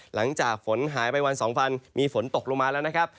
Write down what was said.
หลังจากฝนหายไปวัน๒วันมีฝนตกลงมาแล้วนะครับ